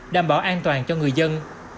đảm bảo an toàn cho người dân